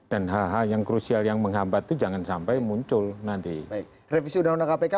dan hal hal yang krusial yang menghambat jangan sampai muncul nanti revisi undang undang kpk